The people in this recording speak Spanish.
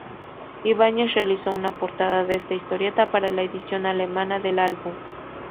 Ibáñez realizó una portada de esta historieta para la edición alemana del álbum.